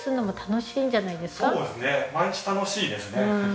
毎日楽しいですね。